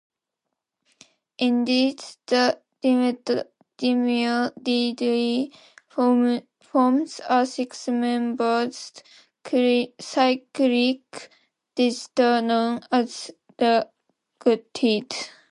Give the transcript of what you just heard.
Indeed, the dimer readily forms a six-membered cyclic diester known as lactide.